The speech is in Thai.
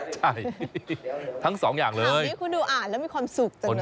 ใช่ทั้งสองอย่างเลยอันนี้คุณดูอ่านแล้วมีความสุขจังเลย